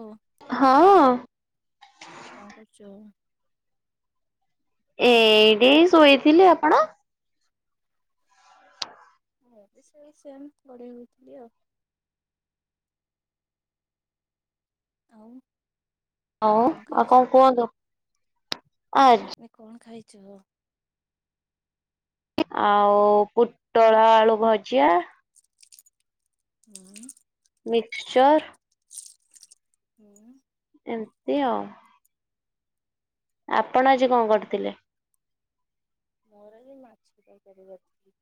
ଓ ହଁ। କଣ କରୁଛ? ଏଇଠି ଶୋଇଥିଲି। ଆପଣ? ଏ ସେ ସେ ହଥିଲି ଆଉ। ଆଉ? ହଉ ଆଉ କଣ କୁହନ୍ତୁ? ଆଜି ଆ କଣ ଖାଇଛୁ? ଆଉ ପୋଟଳ ଆଳୁ ଭଜା। [unintelligible] ମିକ୍ସଚର। [unintelligible] ଏମତି ଆଉ। ଆପଣ ହଁ ଆଜି କଣ କରୁଥିଲେ? ମୋର ଆଜି ମାଛ ତର୍କାରି କରଥିଲି।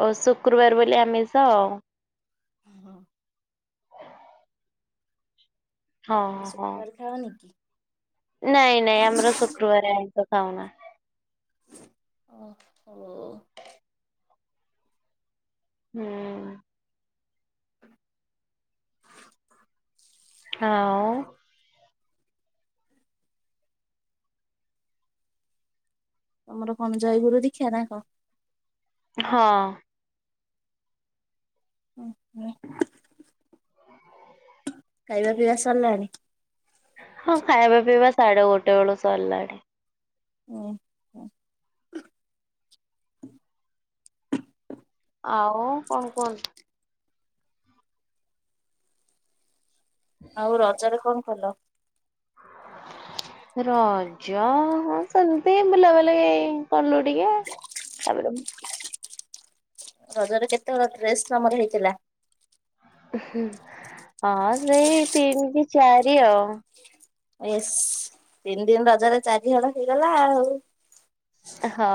ଓ ଶୁକ୍ରୁବାର ବୋଲି ଆମିଷଆଉ। ହଁ। ହଁ ତମର ହଁ ଶୁକ୍ରବାରେ ଖାଅନି କି? ନାଇଁ ନାଇଁ ଆମର ଶୁକ୍ରବାରେ ଆଇଁଷ ଖାଉନା। ଓ ହୋ। ହୁଁ। ଆଉ? ତମର କଣ ଜୟଗୁରୁ ଦିକ୍ଷା ନା କଣ? ହଁ। [unintelligible] ଖାଇବା ପିଇବା ସରିଲାଣି। ହଁ, ଖାଇବା ପିଇବା ସାଢେ ଗୋଟେ ବେଳୁ ସରିଲାଣି। ଉହୁଁ। ଆଉ କଣ କୁହନ୍ତୁ? ଆଉ ରଜରେ କଣ କଲ? ରଜ ସେମ୍ତି ବୁଲା ବୁଲି କଲୁ ଟିକେ ତାପରେ ରଜରେ କେତେ ହଳ ଡ୍ରେସ୍ ତମର ହେଇଥିଲା? ହୁ ହଁ ସେଇ ତିନ୍ କି ଚାରି ଆଉ। ଏସ୍ ତିନି ଦିନ୍ ରଜରେ ଚାରି ହଳ ହେଇଗଲା ଆଉ। ହଁ।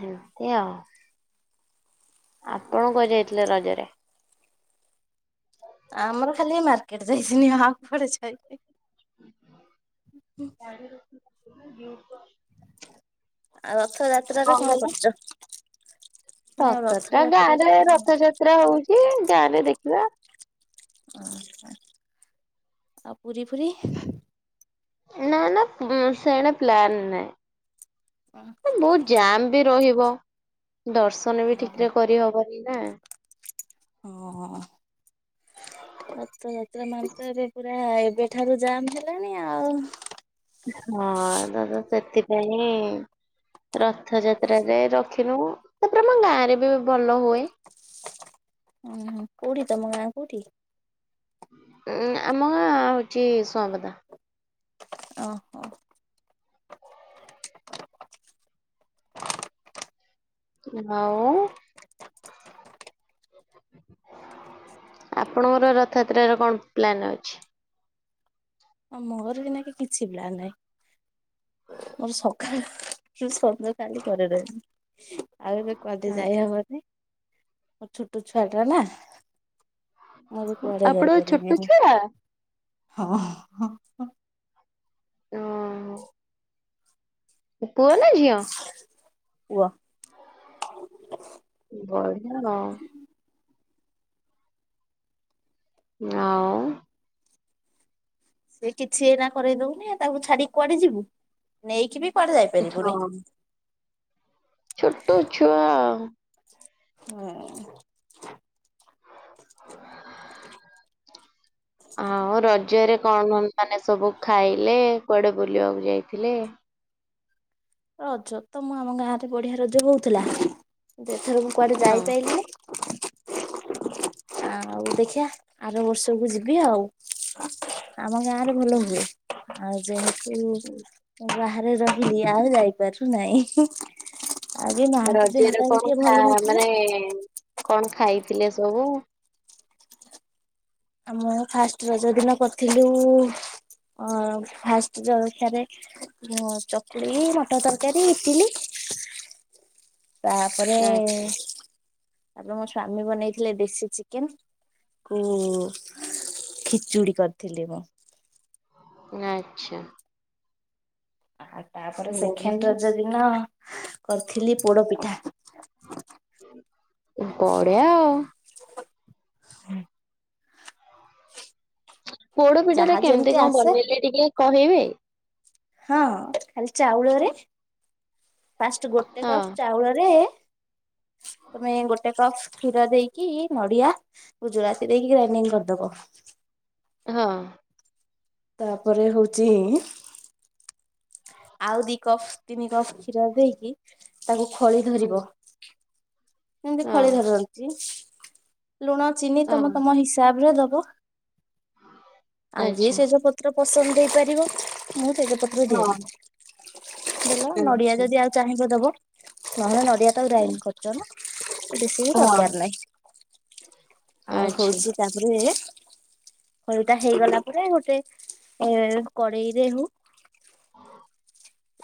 ହେ ଏମିତି ଆଉ। ଆପଣ କୁଆଡ଼େ ଯାଇଥିଲେ ରଜରେ? ଆମର ଖାଲି ମାର୍କେଟ୍ ଯାଇଥିନି ଆଉ କୁଆଡ଼େ ଯାଇନି। [inaudible] ଆଉ ରଥ ଯାତ୍ରା ରେ କଣ କରୁଚ? ରଥଯାତ୍ରା ଗାଁରେ ରଥଯାତ୍ରା ହଉଚି ଗାଁରେ ଦେଖିବା। ଅ ହଁ ଆଉ ପୁରୀ ଫୁରି ନାଁ ନାଁ ପୁ ସେଣେ ପ୍ଲାନ ନାଇଁ। ବହୁତ୍ ଜାମ୍ ବି ରହିବ। ଦର୍ଶନ ବି ଠିକ୍ ହଁ ରେ କରିହବନି ନା। ହଁ। ରଥ ଯାତ୍ରା ମାନ୍ ତ ଏବେ ପୁରା ଏବେଠାରୁ ଜାମ୍ ହେଲାଣି ଆଉ। ହଁ ଏରା ତ ସେଥିପାଇଁ ରଥଯାତ୍ରାରେ ରଖିନୁ, ତାପରେ ଆମ ଗାଁ ରେ ବି ଭଲ ହୁଏ। [inaudible] ଉହୁଁ କୋଉଠି ତମ ଗାଁ କୋଉଠି? ଉ ଆମ ଗାଁ ହଉଚି ସୁଆଁପଦା। ଓହୋ। ଆଉ। ଆପଣଙ୍କର ରଥଯାତ୍ରା ରେ କଣ ପ୍ଲାନ ଅଛି। ମୋର ବି ଏଇନା କେ କିଛି ପ୍ଳାନ୍ ନାହିଁ ମୋର ସଖାଳେ ହୁ କିସ ବେ କାଲି କରିଡେ ଆଉ ଏବେ କୁଆଡେ଼ ଯାଇହବନି। ମୋର ଛୋଟ ଛୁଆଟା ନା। ମୁଁ ଏବେ କୁଆଡେ ଆପଣ ଛୋଟ ଯାଇପାରିବିନି ଛୁଆ ହଁ। ହଁ। ଅ ପୁଅ ନା ଝିଅ? ପୁଅ। ବଢ଼ିଆ। ଆଉ। ସେ କିଛି ଏଇନା କରେଇ ଦଉନି ତାକୁ ଛାଡିି କୁଆଡ଼େ ଯିବୁ ନେଇକି ବି କୁଆଡ଼େ ଯାଇପାରିବୁନି। ହଁ ଛୋଟ ଛୁଆ ଆଉ। ହଁ। [inaudible] ଆଉ ରଜରେ କଣ କଣ ମାନେ ସବୁ ଖାଇଲେ କୁଆଡେ ବୁଲିବାକୁ ଯାଇଥିଲେ। ରଜ ତ ମୁଁ ଆମ ଗାଁ ରେ ବଢିଆ ରଜ ହେଉଥିଲା ଏଥର ମୁଁ କୁଆଡେ ହଁ ଯାଇପାରିଲିନି। [inaudible] ଆଉ ଦେଖିବା ଆର ବର୍ଷକୁ ଯିବି ଆଉ। ଆମ ଗାଁ ରେ ଭଲ ହୁଏ। ଆଉ ଯେହେତୁ ବାହାରେ ରହିଲି ଆଉ ଯାଇପାରୁନାହିଁ। ରଜରେ କଣ ଖା ନଥିଲା ମାନେ। କଣ ଖାଇଥିଲେ ସବୁ? ଆମ ଫାର୍ଷ୍ଟ ରଜ ଦିନ କରିଥିଲୁ। ଅ ଫାର୍ଷ୍ଟ ଜଳଖିଆ ରେ ଅ ଚକୁଳି ମଟର ତରକାରୀ ଇଟିଲି। ତାପରେ। ଆଚ୍ଛା ତାପରେ ମୋ ସ୍ଵାମୀ ବନେଇଥିଲେ ଦେଶୀ ଚିକେନ କୁ। ଖିଚୁଡି କରିଥିଲି ମୁଁ। ଆଚ୍ଛା। ଆଉ ତାପରେ ସେକେଣ୍ଡ ବଢିଆ ରଜ ଦିନ। କରିଥିଲି ପୋଡ ପିଠା। ବଢିଆ ଆଉ। ହୁଁ। ପୋଡ ପିଠାଟା ଯାହା କେମିତି ଯେମିତି କଣ ଆସେ ବନେଇଲେ ଟିକେ କହିବେ। ହଁ ଖାଲି ଚାଉଳ ରେ। ଫାର୍ଷ୍ଟ ଗୋଟେ ହଁ କପ ଚାଉଳରେ। ତମେ ଗୋଟେ କପ କ୍ଷୀର ଦେଇକି ନଡିଆ ଗୁଜୁରାତି ଦେଇକି ଗ୍ରାଇଣ୍ଡିଙ୍ଗ କରିଦବ। ହଁ। ତାପରେ ହଉଚି। ଆଉ ଦି କପ ତିନି କପ କ୍ଷୀର ଦେଇକି। ତାକୁ ଖଳି ହୁଁ, ଧରିବ କେମିତି ହଁ ଖଳି ଧରନ୍ତି। ଲୁଣ ଚିନି ତମେ ହଁ ତମ ହିସାବରେ ଦବ ଆଉ ଯିଏ ଆଚ୍ଛା ସେଜ ପତ୍ର। ପସନ୍ଦ ଦେଇ ପାରିବ। ମୁଁ ତେଜପତ୍ର ହଁ। ଦିଏନି ବେଲ ନଡ଼ିଆ ଆଚ୍ଛା ଯଦି ଆଉ ଚାହିଁବ ଦବ। ନହେଲେ ନଡ଼ିଆ ତ ଗ୍ରାଇଣ୍ଡ କରୁଛ ନା ବେଶୀ ବି ହଁ। ଦରକାର ନାହିଁ। ଆଉ ଆଚ୍ଛା ହଉଛି ତାପରେ। ଏଇଟା ହେଇଗଲା ପରେ ଗୋଟେ ଏ କଡ଼େଇରେ ହଉ।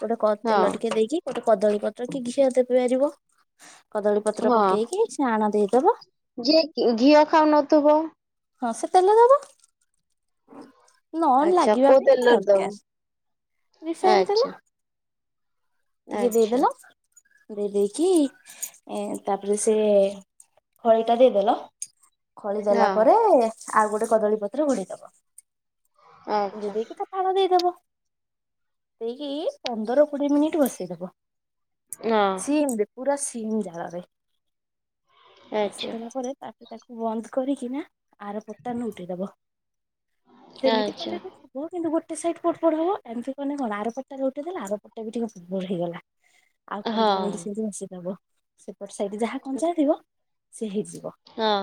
ଗୋଟେ କ ତେଲ ହଁ ଟିକେ ଦେଇକି ଗୋଟେ କଦଳୀ ପତ୍ର କି ଘିଅ ଦେଇ ପାରିବ। କଦଳୀ ପତ୍ର ହଁ ପକେଇକି ସେ ଆଣ ଦେଇଦବ। ଯିଏ ଘି-ଘିଅ ଖାଉନଥୁବ। ହଁ ସେ ତେଲ ଦବ। ନ ଆଚ୍ଛା ଲାଗିବା କୋଉ ପାଇଁ ଟିକେ ତେଲରେ ଦବ ଦରକାର ରିଫାଇନ ତେଲ। ଆଚ୍ଛା ଟିକେ ଆଚ୍ଛା ଦେଇଦେଲ। ଦେଇ ଦେଇକି ଏଁ ତାପରେ ସେ ଖଳି ଟା ଦେଇଦେଲ। ଖଳି ଦେଲା ପରେ ହଁ ଆଉ ଗୋଟେ କଦଳୀ ପତ୍ର ଘୁଡେଇ ଦବ। ଘୁରେଇ ଆଚ୍ଛା ଦେଇକି ତା ଫାଳ ଦେଇଦବ। ଦେଇକି ପନ୍ଦର କୋଡିଏ ମିନିଟ ବସେଇଦବ। ନାଁ। ସିମ ରେ ପୁରା ସିମ ଜାଳରେ ଆଚ୍ଛା ବସିଦେଲା ପରେ ତା ତାକୁ ବନ୍ଦ କରିକି ନା। ଆର ପଟଟା ନଉଟେଇଦବ ସେମିତି ଆଚ୍ଛା କଲେ ବି ହବ କିନ୍ତୁ ଭୁ ଗୋଟେ ସାଇଟ୍ ପଡ ପଡ ହବ ଏମିତି କନେ କଣ ଆର ପଟ ଟା ଯଉ ଉଠିଥିଲା ଆରପଟ ଟା ବି ଟିକେ ପୁଡ ପୁଡ଼ ହେଇଗଲା। ଆ ହଁ ପନ୍ଦର ମିନିଟ୍ ସେମିତି ବସେଇଦବ ସେପଟ ସାଇଟି ଯାହା କଞ୍ଚା ଥିବ। ସେ ହେଇଯିବ ହଁ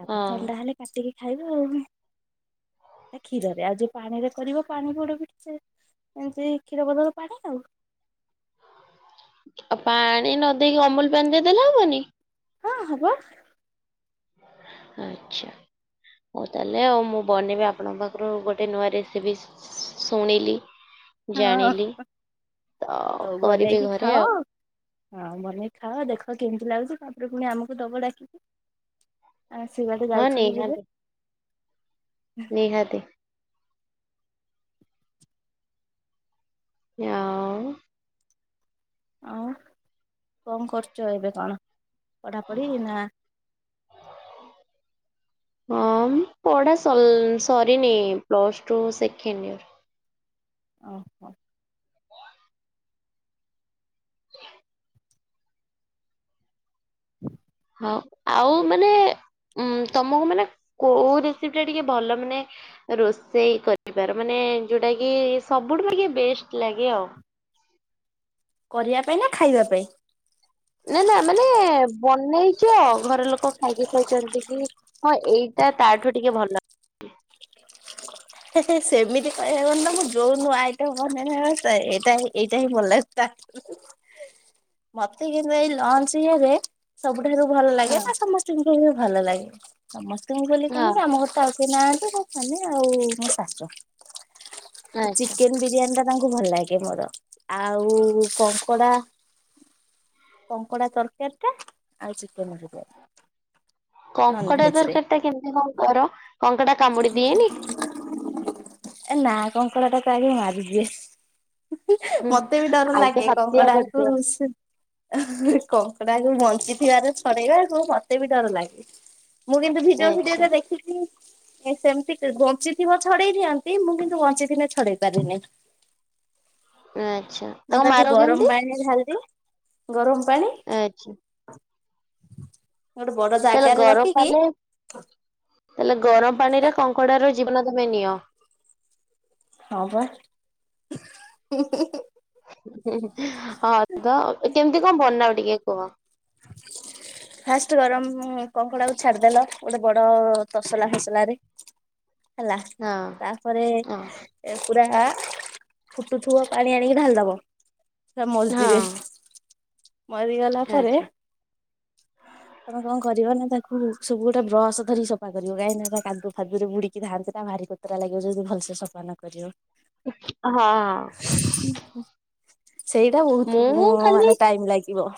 ତାପରେ ହଁ ଥଣ୍ଡା ହେଲେ କାଟିକି ଖାଇବ ଆଉ। ଏଟା କ୍ଷୀରରେ ଆ ଯଉ ପାଣିରେ କରିବ ପାଣି ପୋଡ ପିଠା। ଏମିତି କ୍ଷୀର ବଦଳ ପାଣି ଆଉ। ଆଉ ପାଣି ନ ଦେଇକି ଅମୁଲୁ ପାଣି ଦେଇ ଦେଲେ ହବନି। ହଁ ହବ। ଆଚ୍ଛା। ହଉ ତାହେଲେ ଆଉ ମୁଁ ବନେଇବି ଆପଣଙ୍କ ପାଖରୁ ଗୋଟେ ନୂଆ ରେସିପି ଶୁ-ଶୁ-ଶୁଣିଲି। ହଁ। ଜାଣିଲି। ତ ହଉ କରିବି ବନେଇକି ଘରେ ଖାଅ ଆଉ ହଁ ବନେଇକି ଖାଅ ଦେଖ କେମିତି ଲାଗୁଛି। ତୁ ପୁଣି ଆମକୁ ଦବ ଡାକି ସେ ବାଟେ ହଁ ଯାଉଛନ୍ତି ଯେବେ। ନିହାତି ନିହାତି। ଇଁଆଉ। ଆଉ କଣ କରୁଚ ଏବେ କଣ। ପଢ଼ାପଢ଼ି ନା ହଁ ପଢା [unintelligible] ସରିନି ପ୍ଲସ ଟୁ ସେକେଣ୍ଡଇୟର। ଓ ହୋ। [inaudible] ହଁ ଆଉ ମାନେ। ଉଁ ତମକୁ ମାନେ କୋଉ ରେସିପି ଟା ଟିକେ ଭଲ ମାନେ ରୋଷେଇ କରିଥିବାର ମାନେ। ଉଁ ଯୋଉଟା କି ସବୁଠୁ ଲାଗେ ବେଷ୍ଟ୍ ଲାଗେ ଆଉ। କରିବା ପାଇଁ ନା ଖାଇବା ପାଇଁ। ନା ନା ମାନେ ବନେଇଛ ଘର ଲୋକ ଖାଇକି କହିଛନ୍ତି କି ହଁ ଏଇ ଏଇଟା ତାଠୁ ଟିକେ ଭଲ। [unintelligible] ସେମିତି କହି ହବନିତ ମୁଁ ଜୋଉ ନୂଆ ଆଇଟମ [unintelligible] ଏଇଟା ହଁ ଭଲଲାଗେ। ମତେ ଇଏ ନେଇ ଲଞ୍ଚ ଇଏ ରେ। ସବୁଠାରୁ ଭଲ ଲାଗେ ହଁ ନା ସମସ୍ତଙ୍କୁ ବି ଭଲ ଲାଗେ ସମସ୍ତଙ୍କୁ ବୋଲି କଣ ହଁ କି ଆମ ଘର ଟା ସେ ନାହାନ୍ତି ତ ଖାଲି ମୋ ସ୍ବାମୀ ଆଉ ଶାଶୁ ଆଚ୍ଛା। ଚିକେନ ବିରିୟାନୀ ଟା ତାଙ୍କୁ ଭଲ ଲାଗେ ମୋର ଆଉ କଙ୍କଡ଼ା କଙ୍କଡ଼ା ତରକାରୀ ଟା ଆଉ ଚିକେନ୍ ବିରିଆନୀ। କଙ୍କଡ଼ା ତରକାରୀ ଟା କେମିତି କଣ କର କଙ୍କଡ଼ା କାମୁଡ଼ି ଦିଏନି। ଏ ନା କଙ୍କଡ଼ା ଟା ମୁଁ ଆଗେ ମାରିଦିଏ। ହୁଁ ମତେ ବି ଡ଼ର ଆଗେ ଲାଗେ ହତ୍ୟା କଙ୍କଡାଙ୍କୁ କରିଦିଅ [unintelligible] କଙ୍କଡା। ଭାଇ ମୁଁ ବଞ୍ଚିଥିବାର ଛ଼ଡେଇବାକୁ ମତେ ବି ଡର ଲାଗେ। ମୁଁ କିନ୍ତୁ ଭିଡିଓ ଆଚ୍ଛା ଫିଡିଓରେ ଦେଖଛିି ଏ ସେମିତି ବଞ୍ଚି ଥିବ ଛଡେଇ ଦିଅନ୍ତି ମୁଁ କିନ୍ତୁ ବଞ୍ଚିଥିଲେ ଛଡେଇ ପାରେନି। ଆଚ୍ଛା ମୁଁ ତାକୁ ମାର କେମିତି? ଗରମ ପାଣିରେ ଢାଲିଦିଏ। ଗରମ ପାଣି। ଆଚ୍ଛା ଗୋଟେ ବଡ ତାହେଲେ ଜାଗାରେ ଗରମ ରଖିକି ପାଣିରେ ତାଲେ ଗରମ ପାଣିରେ କଙ୍କଡା ର ଜୀବନ ତମେ ନିଅ। ହଁ ବା ହୁଁ ହୁଁ ହୁଁ। ହୁଁ ହଁ ତ କେମିତି କଣ ବନାଅ ଟିକେ କୁହ। ଫାଷ୍ଟ୍ ଗରମ କଙ୍କଡ଼ା କୁ ଛାଡିଦେଲ ଗୋଟେ ବଡ଼ ତସଲା ଫସଲା ରେ। ହେଲା ହଁ ତାପରେ ହଁ ଏ ପୁରା ଫୁଟୁଥିବ ପାଣି ଆଣିକି ଢାଳିଦବ। ହଁ ମରିଯିବେ। ମରିଗଲା ପରେ ଆଚ୍ଛା। [inaudible] ତମେ କଣ କରିବ ନା ତାକୁ ସବୁ ଗୋଟେ ବ୍ରସ ଧରି ସଫା କରିବ କାହିଁକି ନା ତା କାଦୁଅ ଫାଦୁରେ ବୁଡି଼କି। [unintelligible] ସେଟା ଭାରି କୋତରା ଲାଗିବ ଯଦି ଭଲସେ ସଫା ନ କରିବ। ହଁ। ସେଇଟା ବହୁତ୍ ମୁଁ ଖାଲି ମାନେ ଟାଇମ୍ ଲାଗିବ।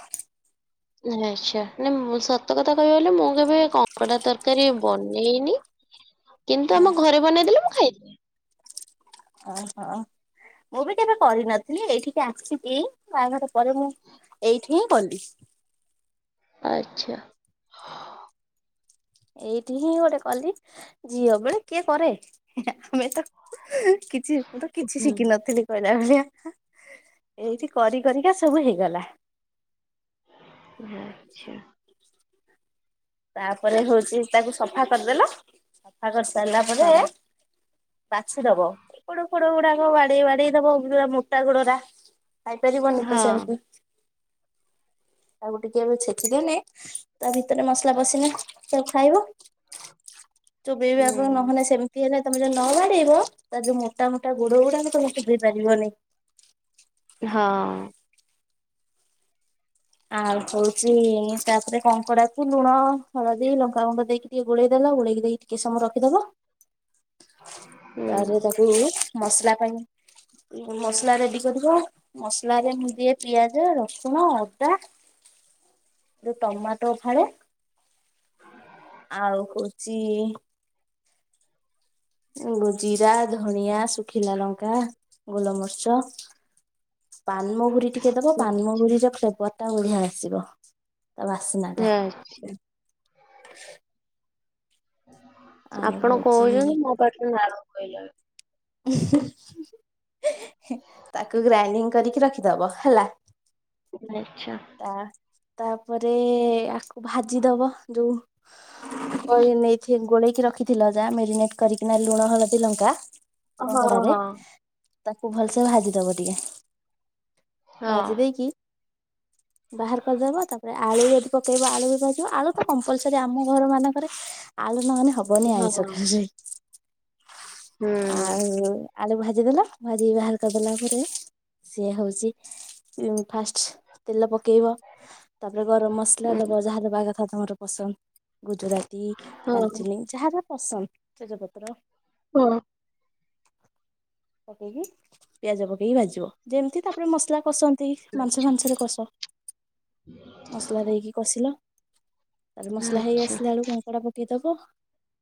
ଆଚ୍ଛା ନାଇଁ ସତ କଥା କହିବାକୁ ଗଲେ ମୁଁ କେବେ କ କଙ୍କଡ଼ା ତରକାରୀ ବନେଇନି କିନ୍ତୁ ଆମ ଘରେ ବନେଇଦେଲେ ମୁଁ ଖାଇ ଓହୋ ମୁଁ ବି କେବେ କରିନଥିଲି ଏଇଠିକି ଆସିକି ବାହାଘର ପରେ ମୁଁ ଏଇଠି ହିଁ କଲି। ଆଚ୍ଛା। ଏଇଠି ହିଁ ଗୋଟେ କଲି ଝିଅ ବଳେ କିଏ କରେ ଆମେ ତ କିଛି, ମୁଁ ତ କିଛି ହୁଁ ଶିଖିନଥିଲି ଘରେ। ରାନ୍ଧିବା, ଏଇଠି କରି କରିକା ସବୁ ହେଇଗଲା। ଆଛା। ତାପରେ ହଉଛି ତାକୁ ସଫା କରିଦେଲ, ସଫା କରି ସାରିଲା ପରେ ହଁ ବାଛି ଦବ, ଗୋଡଫୋଡ ଗୁଡାକ ବାଡେଇ ବାଡେଇ ଦବ ଯୋଉଗୁରା ମୋଟା ଗୋଡରା ଖାଇ ପାରିବନି ତ ହଁ ସେମିତି। ତାକୁ ଟିକେ ଏବେ ଛେଚିଦେଲେ, ତା ଭିତରେ ମସ୍ ସଲା ପଶିଲା ତାକୁ ଖାଇବ, ଚୋବେଇବେ ଆପଣ ହୁଁ ନହେଲେ ସେମିତି ହେଲେ ତମେ ଯଦି ନ ବାଡେଇବ, ତାର ଯୋଉ ମୋଟା ମୋଟା ଗୋଡଗୁଡାକ ତାକୁ ସିଝେଇ ପାରିବନି। ହଁ‌। ଆଉ ହଉଛି ତାପରେ କଙ୍କଡାକୁୁ ଲୁଣ, ହଳଦୀ, ଲଙ୍କା ଗୁଣ୍ଡ ଦେଇକି ଟିକେ ଗୋଳେଇଦଲେ ବା ଓଳେଇକି ଦେଇକି ଟିକେ ସମୟ ରଖିଦବ। ହୁଁ ତାରେ ତାକୁ ମସଲା ପାଇଁ ମସଲା ରେଡି କରିବ, ମସଲା ରେ ମୁଁ ଦିଏ ପିଆଜ, ରସୁଣ, ଅ ଅଦା, ଟମାଟୋ ଫାଳ। ଆଉ ହଉଚି ଜିରା, ଧଣିଆ, ଶୁଖିଲା ଲଙ୍କା, ଗୋଲମରିଚ। ହ [inaudible] ପାନମହୁରି ଟିକେ ଦବ, ପାନମହୁରିର ଫ୍ଲେଭର୍ ବଢିଆ ଆସିବ। ଆଛା। ଆ [inaudible] ଆପଣ ହଉଛି କହୁଛନ୍ତି ମୋ ପାଟିରୁ ନାଳ ବୋଇଲାଣି। [inaudible] ତାକୁ ଗ୍ରାଇଣ୍ଡିଙ୍ଗ କରିକି ରଖିଦବ ହେଲା। ତା ତା ତାପରେ ଆକୁ ଭାଜି ଦବ, ଯୋଉ ନେଇକି ଗୋଳେଇକି ରଖିଥିଲ ଯାହା ମେରିନେଟ କରିକିନା ଲୁଣ, ହଳଦୀ, ଲଙ୍କା। କଙ୍କଡାରେ ତାକୁ ଭଲସେ ଭାଜି ଦବ ଟିକେ। ଭାଜି ଦେଇକିି ବାହାର କରିଦବ, ତାପରେ ଆଳୁ ଯଦି ପକେଇବ ଆଳୁ ବି ଭଜିବ, ଆଳୁ ତ କମ୍ପଲସରି ଆମ ଘର ମାନଙ୍କରେ ଆଲୁ ନହଲେ ହବନି ଆଇସ ଖା ଆଉ ଆଳୁ ଭାଜିଦେଲ, ଭାଜି ବାହାର କରି ଦେଲା ପରେ ସିଏ ହଉଛି ଫାଷ୍ଟ। ତେଲ ପକେଇବ ତାପରେ ଗରମ ମସଲା ଦବ ଯାହା ଦେବା କଥା ତମର ପସନ୍ଦ, ଗୁଜୁରାତି ଡାଲଚିନି, ଯାହା ଯା ପସନ୍ଦ ତେଜପତ୍ର ହଁ। ପକେଇକି ପିଆଜ ପକେଇକି ଭାଜିବ, ଯେମିତି ତାପରେ ମସଲା କଷନ୍ତି ତି ମାଂସ ଫାଂସରେ କଷ, ମସଲା ଦେଇକି କଷିଲ। ତାପରେ ମସଲା ହେଇ ଆସିଲା ବେଳକୁ କଙ୍କଡା ପକେଇଦବ।